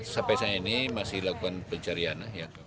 sampai saat ini masih lakukan pencarian